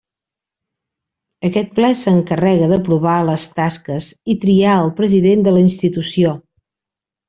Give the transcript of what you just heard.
Aquest ple s'encarrega d'aprovar les tasques i triar el president de la institució.